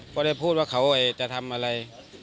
ก็ได้พูดว่าเขาจะทำอะไร